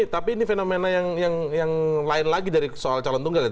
tapi ini fenomena yang lain lagi dari soal calon tunggal ya